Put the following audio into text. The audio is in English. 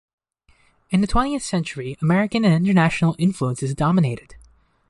In the twentieth century, American and International influences dominated.